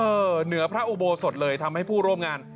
เหนือพระอุโบสถเลยทำให้ผู้ร่วมงาน